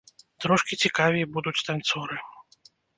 Трошкі цікавей будуць танцоры.